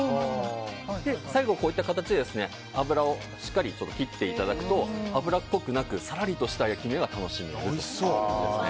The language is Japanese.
最後、油をしっかり切っていただくと脂っこくなく、さらりとした焼き目が楽しめます。